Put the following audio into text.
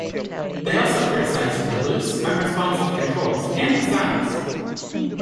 They also criticized the loose, unresponsive controls and the sounds.